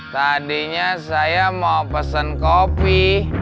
tadinya saya mau pesen kopi